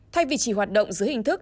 thay vì chỉ hoạt động giữa hình thức